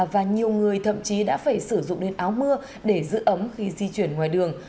và nhiều người thậm chí đã phải sử dụng đến áo mưa để giữ ấm khi di chuyển ngoài đường